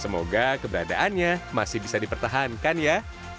semoga keberadaannya masih bisa dipertahankan ya